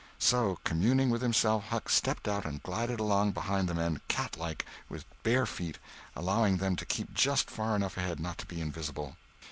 So communing with himself, Huck stepped out and glided along behind the men, cat like, with bare feet, allowing them to keep just far enough ahead not to be invisible.